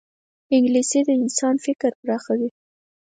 انګلیسي د انسان فکر پراخوي